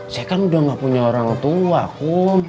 saya kan udah gak punya orang tua aku